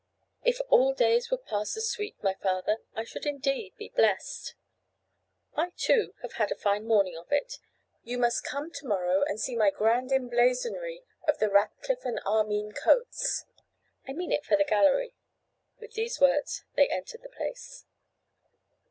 'If all days would pass as sweet, my father, I should indeed be blessed.' 'I, too, have had a fine morning of it. You must come to morrow and see my grand emblazonry of the Ratcliffe and Armine coats; I mean it for the gallery.' With these words they entered the Place.